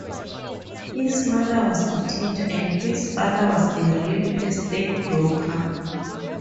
His mother was a teacher and his father was a real estate broker.